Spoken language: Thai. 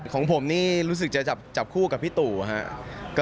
ของผมนี่รู้สึกจะจับคู่กับพี่ตู่ครับ